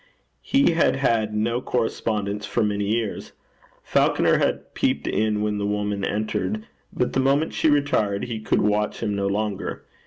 He had had no correspondence for many years. Falconer had peeped in when the woman entered, but the moment she retired he could watch him no longer.